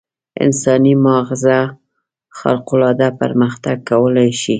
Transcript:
انساني ماغزه خارق العاده پرمختګ کولای شي.